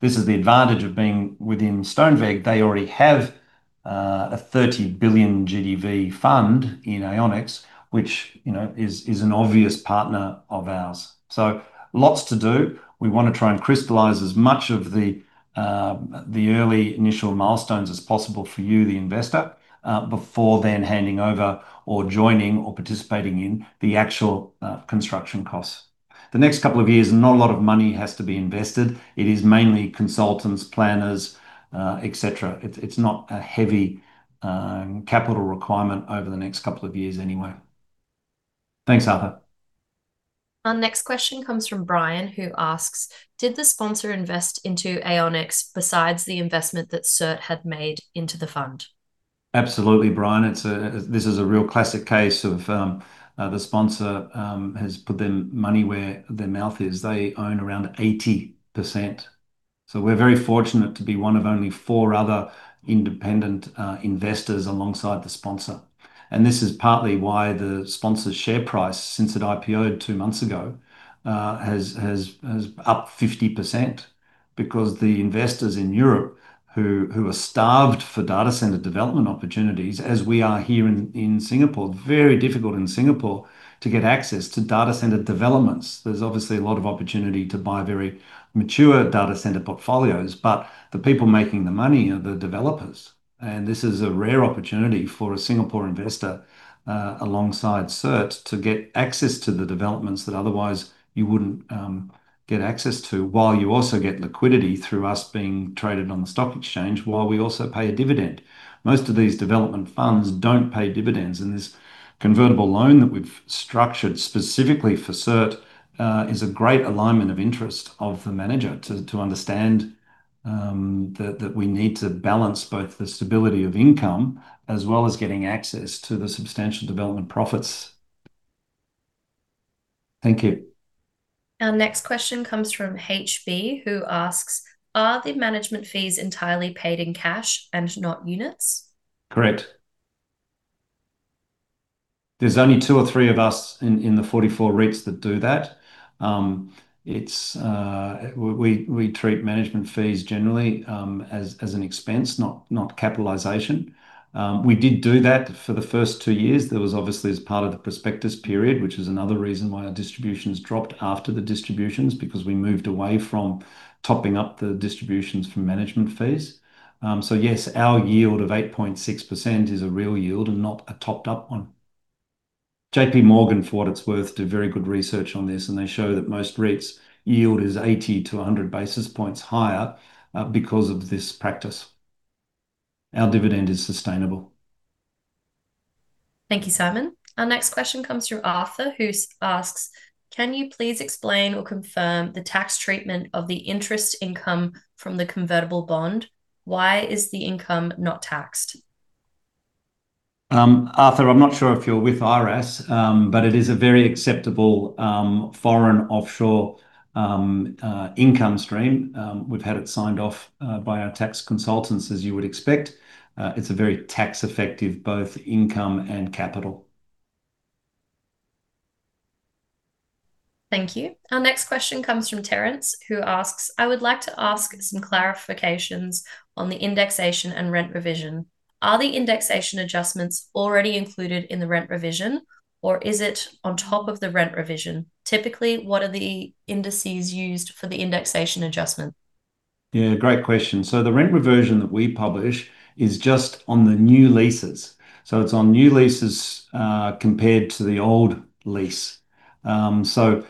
B: This is the advantage of being within Stoneweg. They already have a 30 billion GDV fund in AiOnX, which, you know, is an obvious partner of ours. Lots to do. We want to try and crystallize as much of the early initial milestones as possible for you, the investor, before then handing over or joining or participating in the actual construction costs. The next couple of years, not a lot of money has to be invested. It is mainly consultants, planners, et cetera. It's not a heavy capital requirement over the next couple of years anyway. Thanks, Arthur.
A: Our next question comes from Brian, who asks, "Did the sponsor invest into AiOnX besides the investment that SERT had made into the fund?
B: Absolutely, Brian. This is a real classic case of the sponsor has put their money where their mouth is. They own around 80%. We're very fortunate to be one of only four other independent investors alongside the sponsor. This is partly why the sponsor's share price, since it IPO'd two months ago, is up 50%, because the investors in Europe who are starved for data center development opportunities, as we are here in Singapore. Very difficult in Singapore to get access to data center developments. There's obviously a lot of opportunity to buy very mature data center portfolios, but the people making the money are the developers, and this is a rare opportunity for a Singapore investor alongside SERT to get access to the developments that otherwise you wouldn't get access to, while you also get liquidity through us being traded on the stock exchange while we also pay a dividend. Most of these development funds don't pay dividends, and this convertible loan that we've structured specifically for SERT is a great alignment of interest of the manager to understand that we need to balance both the stability of income as well as getting access to the substantial development profits. Thank you.
A: Our next question comes from HB, who asks, "Are the management fees entirely paid in cash and not units?
B: Correct. There's only 2 or 3 of us in the 44 REITs that do that. We treat management fees generally as an expense, not capitalization. We did do that for the first 2 years. That was obviously as part of the prospectus period, which is another reason why our distributions dropped after the distributions, because we moved away from topping up the distributions from management fees. Yes, our yield of 8.6% is a real yield and not a topped up one. JP Morgan, for what it's worth, do very good research on this, and they show that most REITs' yield is 80 basis points-100 basis points higher because of this practice. Our dividend is sustainable.
A: Thank you, Simon. Our next question comes from Arthur, who asks, "Can you please explain or confirm the tax treatment of the interest income from the convertible bond? Why is the income not taxed?
B: Arthur, I'm not sure if you're with IRAS, but it is a very acceptable foreign offshore income stream. We've had it signed off by our tax consultants, as you would expect. It's a very tax-effective, both income and capital.
A: Thank you. Our next question comes from Terrence, who asks, "I would like to ask some clarifications on the indexation and rent revision. Are the indexation adjustments already included in the rent revision, or is it on top of the rent revision? Typically, what are the indices used for the indexation adjustment?
B: Yeah, great question. The rent reversion that we publish is just on the new leases. It's on new leases, compared to the old lease. The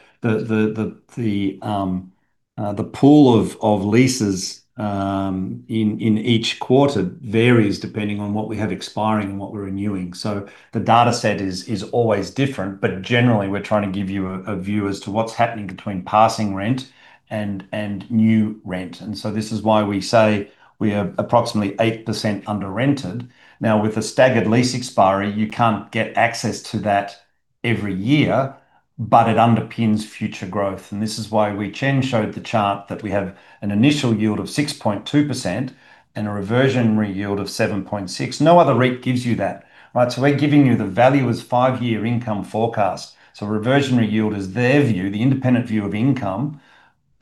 B: pool of leases in each quarter varies depending on what we have expiring and what we're renewing. The data set is always different, but generally we're trying to give you a view as to what's happening between passing rent and new rent, and this is why we say we are approximately 8% under-rented. Now, with a staggered lease expiry, you can't get access to that every year. It underpins future growth. This is why Hui Chen showed the chart that we have an initial yield of 6.2% and a reversionary yield of 7.6%. No other REIT gives you that, right? We're giving you the value as five-year income forecast. Reversionary yield is their view, the independent view of income,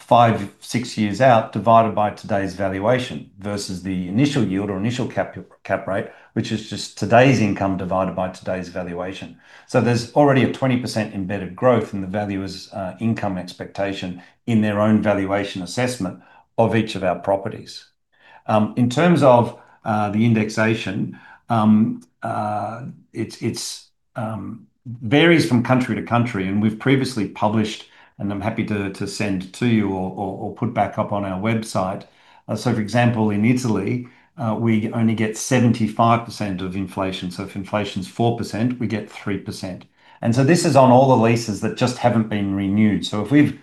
B: 5-6 years out, divided by today's valuation versus the initial yield or initial cap rate, which is just today's income divided by today's valuation. There's already a 20% embedded growth in the valuer's income expectation in their own valuation assessment of each of our properties. In terms of the indexation, it varies from country to country, and we've previously published, and I'm happy to send to you or put back up on our website. For example, in Italy, we only get 75% of inflation. If inflation's 4%, we get 3%. This is on all the leases that just haven't been renewed. If we,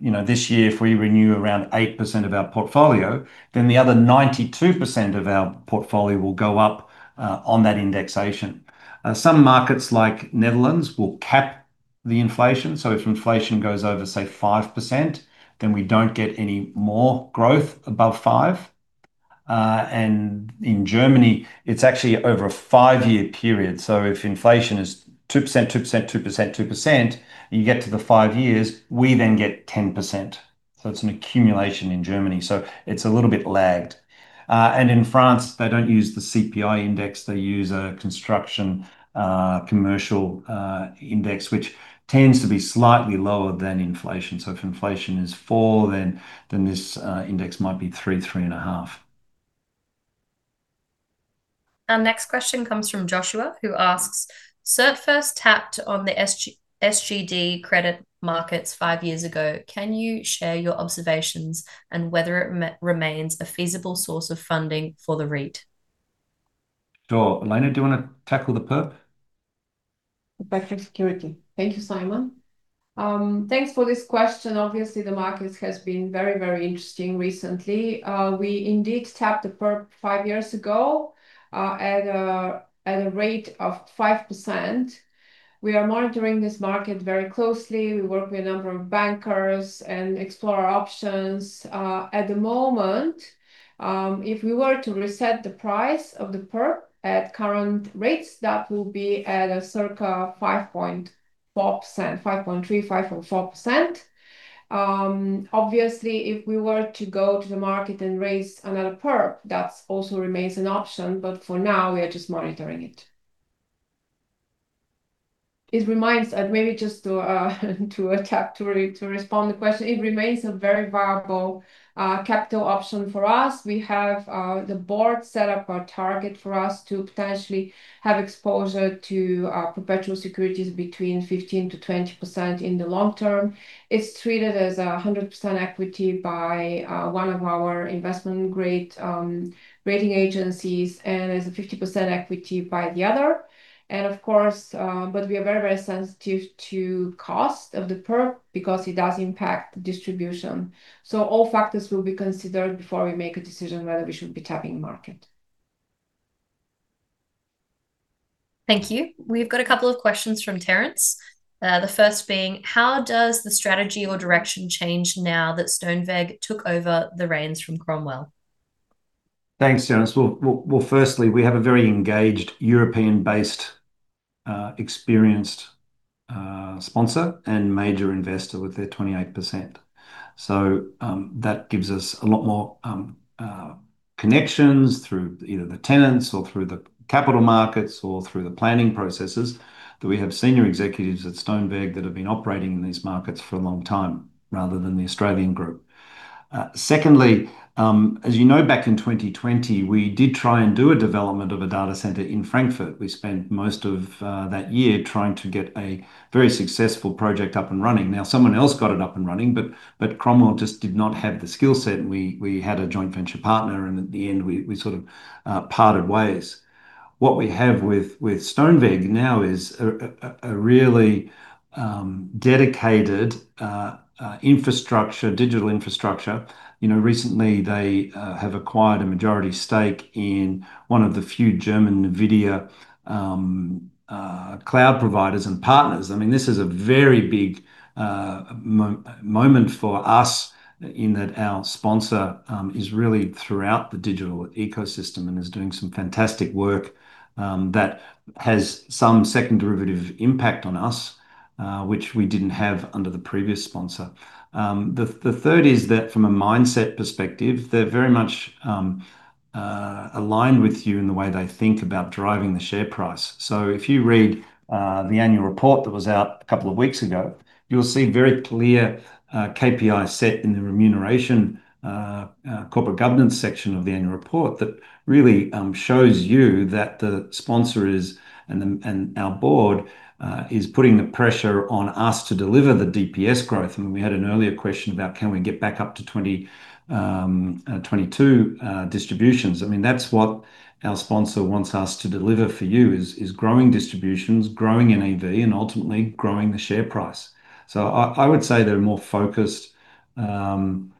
B: you know, renew around 8% of our portfolio this year, then the other 92% of our portfolio will go up on that indexation. Some markets like Netherlands will cap the inflation. If inflation goes over, say, 5%, then we don't get any more growth above 5%. In Germany, it's actually over a five-year period. If inflation is 2%, 2%, 2%, 2%, you get to the five years, we then get 10%. It's an accumulation in Germany, so it's a little bit lagged. In France, they don't use the CPI index. They use a construction commercial index, which tends to be slightly lower than inflation. If inflation is 4%, then this index might be 3%-3.5%.
A: Our next question comes from Joshua, who asks, "SERT first tapped on the SGD credit markets 5 years ago. Can you share your observations and whether it remains a feasible source of funding for the REIT?
B: Sure. Elena, do you wanna tackle the perp?
D: Perpetual security. Thank you, Simon. Thanks for this question. Obviously, the market has been very interesting recently. We indeed tapped the perp 5 years ago, at a rate of 5%. We are monitoring this market very closely. We work with a number of bankers and explore our options. At the moment, if we were to reset the price of the perp at current rates, that will be at a circa 5.4%, 5.3%, 5% or 4%. Obviously, if we were to go to the market and raise another perp, that also remains an option, but for now, we are just monitoring it. Maybe just to respond to the question, it remains a very viable capital option for us. We have the board set up a target for us to potentially have exposure to perpetual securities between 15%-20% in the long term. It's treated as 100% equity by one of our investment-grade rating agencies and as a 50% equity by the other. Of course, but we are very, very sensitive to cost of the perp because it does impact the distribution. All factors will be considered before we make a decision whether we should be tapping the market.
A: Thank you. We've got a couple of questions from Terrence. The first being, "How does the strategy or direction change now that Stoneweg took over the reins from Cromwell?
B: Thanks, Terrence. Well, firstly, we have a very engaged European-based, experienced, sponsor and major investor with their 28%. That gives us a lot more connections through either the tenants or through the capital markets or through the planning processes, that we have senior executives at Stoneweg that have been operating in these markets for a long time rather than the Australian group. Secondly, as you know, back in 2020, we did try and do a development of a data center in Frankfurt. We spent most of that year trying to get a very successful project up and running. Now, someone else got it up and running, but Cromwell just did not have the skill set, and we had a joint venture partner, and at the end, we sort of parted ways. What we have with Stoneweg now is a really dedicated infrastructure, digital infrastructure. You know, recently they have acquired a majority stake in one of the few German NVIDIA cloud providers and partners. I mean, this is a very big moment for us in that our sponsor is really throughout the digital ecosystem and is doing some fantastic work that has some second derivative impact on us, which we didn't have under the previous sponsor. The third is that from a mindset perspective, they're very much aligned with you in the way they think about driving the share price. If you read the annual report that was out a couple of weeks ago, you'll see very clear KPI set in the remuneration corporate governance section of the annual report that really shows you that the sponsor and our board is putting the pressure on us to deliver the DPS growth. I mean, we had an earlier question about can we get back up to 2022 distributions. I mean, that's what our sponsor wants us to deliver for you is growing distributions, growing NAV, and ultimately growing the share price. I would say they're more focused and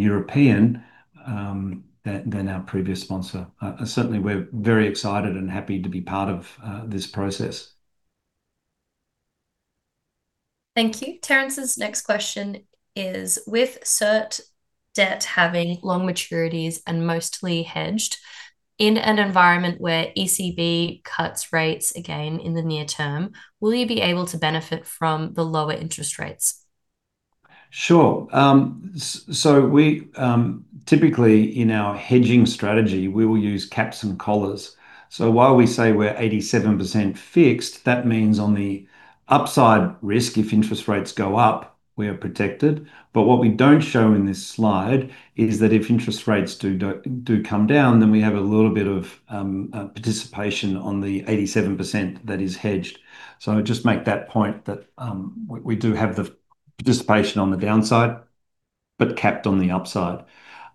B: European than our previous sponsor. Certainly we're very excited and happy to be part of this process.
A: Thank you. Terrence's next question is: With SERT debt having long maturities and mostly hedged, in an environment where ECB cuts rates again in the near term, will you be able to benefit from the lower interest rates?
B: Sure. We typically in our hedging strategy, we will use caps and collars. While we say we're 87% fixed, that means on the upside risk if interest rates go up, we're protected. What we don't show in this slide is that if interest rates do come down, then we have a little bit of participation on the 87% that is hedged. I just make that point that we do have the participation on the downside, but capped on the upside.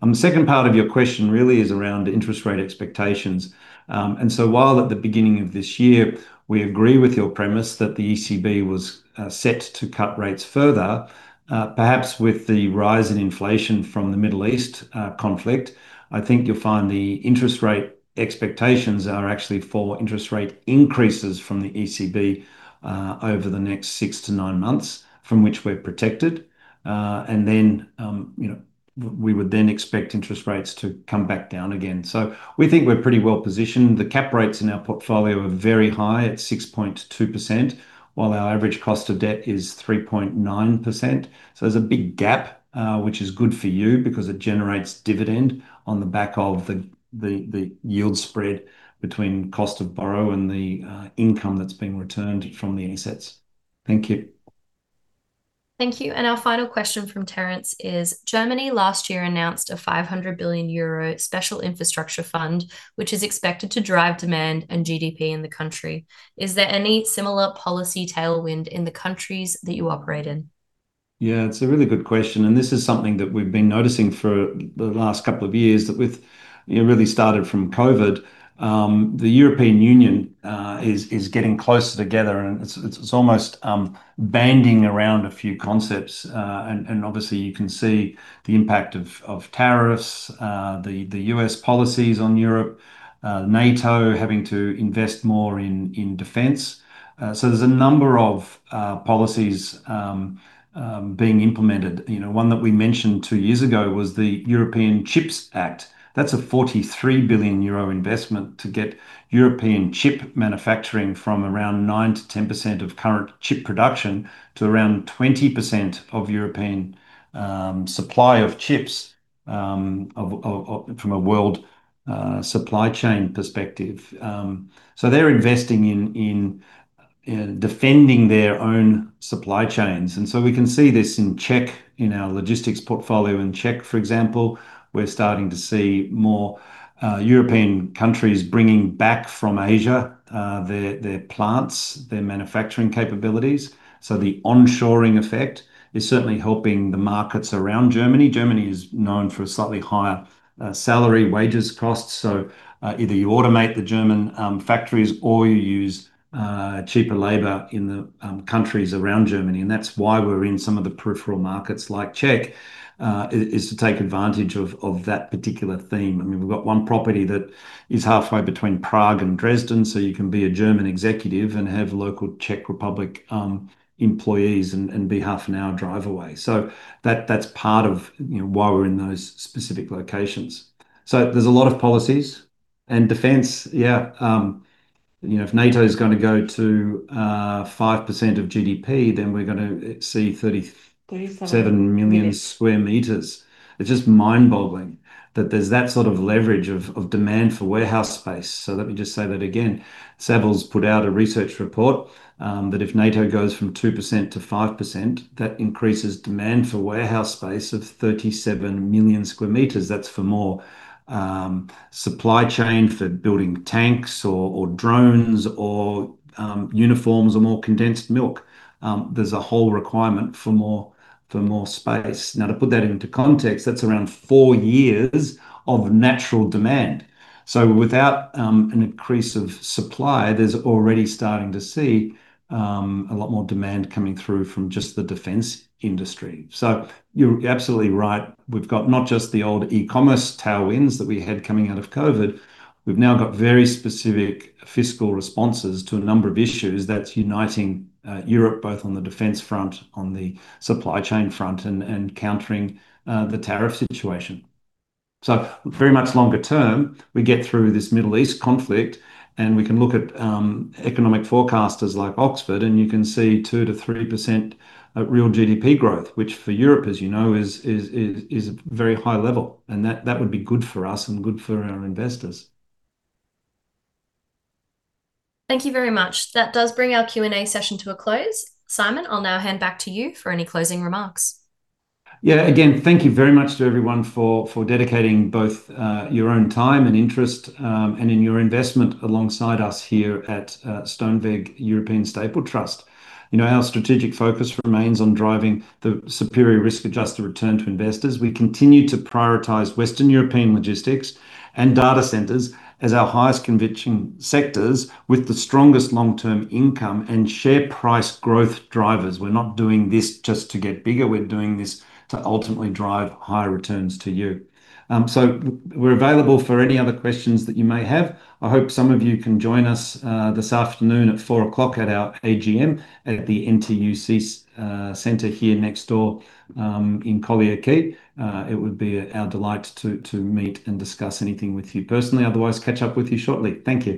B: The second part of your question really is around interest rate expectations. While at the beginning of this year we agree with your premise that the ECB was set to cut rates further, perhaps with the rise in inflation from the Middle East conflict, I think you'll find the interest rate expectations are actually for interest rate increases from the ECB over the next 6-9 months, from which we're protected. You know, we would then expect interest rates to come back down again. We think we're pretty well-positioned. The cap rates in our portfolio are very high at 6.2%, while our average cost of debt is 3.9%. There's a big gap, which is good for you because it generates dividend on the back of the yield spread between cost of borrow and the income that's being returned from the assets. Thank you.
A: Thank you. Our final question from Terrence is: Germany last year announced a 500 billion euro special infrastructure fund, which is expected to drive demand and GDP in the country. Is there any similar policy tailwind in the countries that you operate in?
B: Yeah. It's a really good question, and this is something that we've been noticing for the last couple of years. It really started from COVID. The European Union is getting closer together, and it's almost banding around a few concepts. And obviously you can see the impact of tariffs, the U.S. policies on Europe, NATO having to invest more in defense. There's a number of policies being implemented. You know, one that we mentioned two years ago was the European Chips Act. That's a 43 billion euro investment to get European chip manufacturing from around 9%-10% of current chip production to around 20% of European supply of chips from a world supply chain perspective. They're investing in defending their own supply chains. We can see this in Czech, in our logistics portfolio in Czech, for example. We're starting to see more European countries bringing back from Asia their plants, their manufacturing capabilities. The onshoring effect is certainly helping the markets around Germany. Germany is known for a slightly higher salary, wages costs, either you automate the German factories or you use cheaper labor in the countries around Germany. That's why we're in some of the peripheral markets like Czech to take advantage of that particular theme. I mean, we've got one property that is halfway between Prague and Dresden, you can be a German executive and have local Czech Republic employees and be half an hour drive away. That's part of, you know, why we're in those specific locations. There's a lot of policies and defense. If NATO's gonna go to 5% of GDP, then we're gonna see thirty-
D: 37
B: 37 million sq m. It's just mind-boggling that there's that sort of leverage of demand for warehouse space. Let me just say that again. Savills put out a research report that if NATO goes from 2% to 5%, that increases demand for warehouse space of 37 million sq m. That's for more supply chain, for building tanks or drones or uniforms or more condensed milk. There's a whole requirement for more space. Now, to put that into context, that's around four years of natural demand. Without an increase of supply, there's already starting to see a lot more demand coming through from just the defense industry. You're absolutely right. We've got not just the old e-commerce tailwinds that we had coming out of COVID, we've now got very specific fiscal responses to a number of issues that's uniting Europe, both on the defense front, on the supply chain front and countering the tariff situation. Very much longer term, we get through this Middle East conflict, and we can look at economic forecasters like Oxford, and you can see 2%-3% real GDP growth, which for Europe, as you know, is a very high level. That would be good for us and good for our investors.
A: Thank you very much. That does bring our Q&A session to a close. Simon, I'll now hand back to you for any closing remarks.
B: Yeah. Again, thank you very much to everyone for dedicating both your own time and interest and in your investment alongside us here at Stoneweg Europe Stapled Trust. You know, our strategic focus remains on driving the superior risk-adjusted return to investors. We continue to prioritize Western European logistics and data centers as our highest conviction sectors with the strongest long-term income and share price growth drivers. We're not doing this just to get bigger, we're doing this to ultimately drive higher returns to you. We're available for any other questions that you may have. I hope some of you can join us this afternoon at 4:00 P.M. at our AGM at the NTUC Centre here next door in Collyer Quay. It would be our delight to meet and discuss anything with you personally, otherwise catch up with you shortly. Thank you.